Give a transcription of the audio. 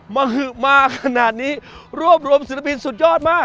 มหือมาขนาดนี้รวบรวมศิลปินสุดยอดมาก